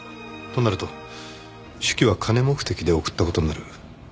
となると手記は金目的で送った事になる。